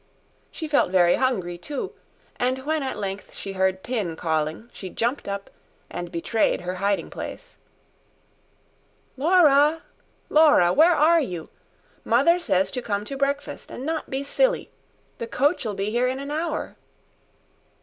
She felt very hungry, too, and when at length she heard Pin calling, she jumped up and betrayed her hiding place. "Laura! Laura, where are you? Mother says to come to breakfast and not be silly. The coach'll be here in an hour."